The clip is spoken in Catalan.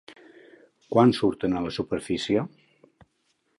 Quan surten a la superfície?